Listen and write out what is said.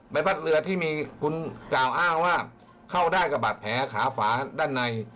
พัดเรือที่มีคุณกล่าวอ้างว่าเข้าได้กับบาดแผลขาฝาด้านใน